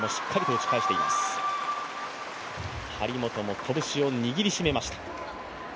張本も拳を握りしめました。